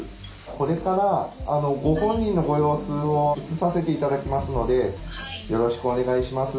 これからご本人のご様子を見させて頂きますのでよろしくお願いします。